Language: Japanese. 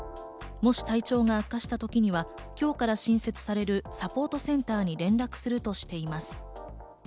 もし体調が悪化した時には、今日から新設されるサポートセンターに連絡するとしています。